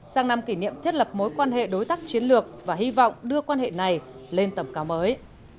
sang năm kỷ niệm thiết lập mối quan hệ đối tác chiến lược và hy vọng đưa quan hệ này lên tầm cao mới